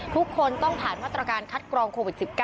ทุกคนต้องผ่านมาตรการคัดกรองโควิด๑๙